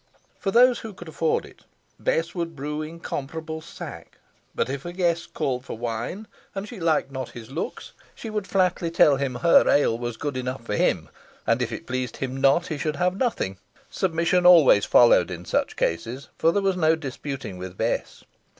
For those who could afford it Bess would brew incomparable sack; but if a guest called for wine, and she liked not his looks, she would flatly tell him her ale was good enough for him, and if it pleased him not he should have nothing. Submission always followed in such cases, for there was no disputing with Bess.